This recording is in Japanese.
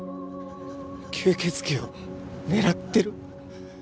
吸血鬼を狙ってる？